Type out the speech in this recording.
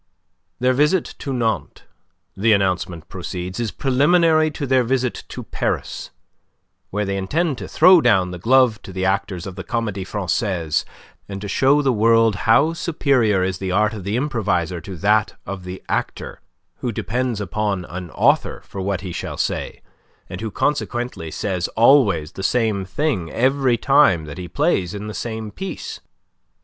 Their visit to Nantes the announcement proceeds is preliminary to their visit to Paris, where they intend to throw down the glove to the actors of the Comedie Francaise, and to show the world how superior is the art of the improviser to that of the actor who depends upon an author for what he shall say, and who consequently says always the same thing every time that he plays in the same piece.